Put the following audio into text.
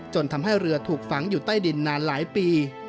ทำให้เรือถูกฝังอยู่ใต้ดินนานหลายปี